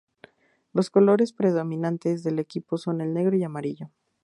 Los colores predominantes del equipo son el negro y amarillo.